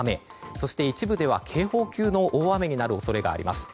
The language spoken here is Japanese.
そして一部では警報級の大雨になる恐れがあります。